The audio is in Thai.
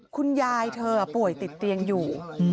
คุณยายเธอป่วยติดเตียงอยู่